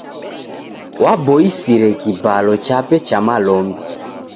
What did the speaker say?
Waboisire kibalo chape cha malombi.